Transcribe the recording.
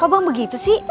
kok bang begitu sih